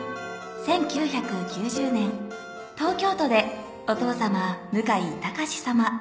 １９９０年東京都でお父さま向井隆さま